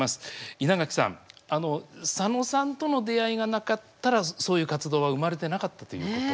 稲垣さんあの佐野さんとの出会いがなかったらそういう活動は生まれてなかったということですね。